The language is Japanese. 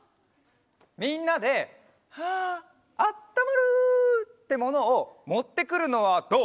みんなで「はあったまる！」ってものをもってくるのはどう？